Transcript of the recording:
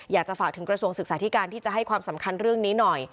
อยากจะฝากถึงกระทรวงศึกษาธิการที่จะให้ความสำคัญเรื่องนี้หน่อย